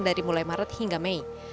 dari mulai maret hingga mei